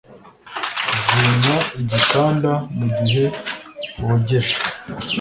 zimya igikanda mugihe wogeje